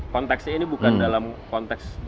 konteksnya ini bukan dalam konteks